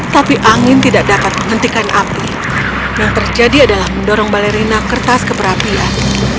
tapi angin tidak dapat menghentikan api yang terjadi adalah mendorong balerina kertas ke perapian